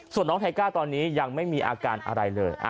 ส่วนน้องไทก้าตอนนี้ยังไม่มีอาการอะไรเลย